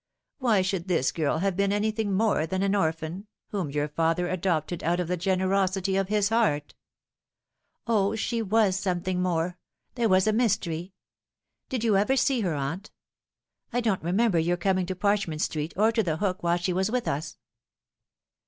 Why should this girl have been anything more than an orphan, whom your father adopted out of the generosity of his heart ?"*' O, she was something more ! There was a mystery. Did you ever see her, aunt ? I don't remember your coming to Parchment Street or to The Hook while she was with us."